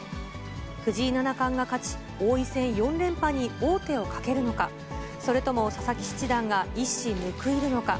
藤井七冠が勝ち、王位戦４連覇に王手をかけるのか、それとも佐々木七段が一矢報いるのか。